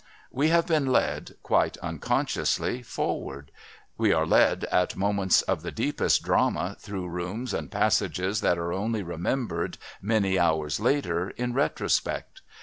We have been led, quite unconsciously, forward. We are led, at moments of the deepest drama, through rooms and passages that are only remembered, many hours later, in retrospect.